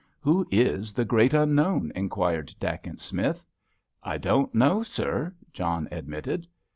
"Who is the great unknown?" inquired Dacent Smith. "I don't know, sir," John admitted.